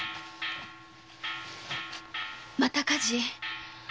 また火事？